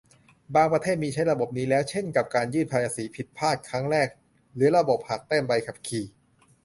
บางประเทศมีใช้ระบบนี้แล้ว เช่นกับการยื่นภาษีผิดพลาดเป็นครั้งแรก หรือระบบหักแต้มใบขับขี่